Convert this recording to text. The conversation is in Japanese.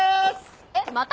えっまた？